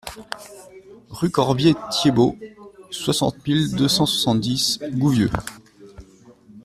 Rue Corbier Thiébaut, soixante mille deux cent soixante-dix Gouvieux